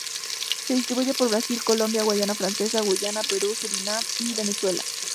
Se distribuye por Brasil, Colombia, Guayana Francesa, Guyana, Perú, Surinam y Venezuela.